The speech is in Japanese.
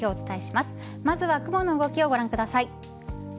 まずは雲の動きをご覧ください。